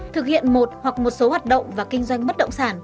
thực hiện một hoặc một số hoạt động và kinh doanh bất động sản